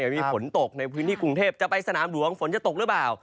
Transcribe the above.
มีฝนตกในพื้นที่กรุงเทพจะไปสนามหลวงฝนจะตกหรือเปล่า